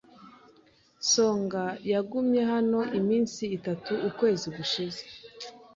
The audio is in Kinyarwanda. Songa yagumye hano iminsi itatu ukwezi gushize.